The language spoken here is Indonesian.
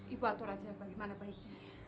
ibu atur aja bagaimana baiknya